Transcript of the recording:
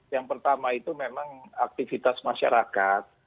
yang pertama itu memang aktivitas masyarakat